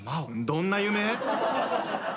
どんな夢？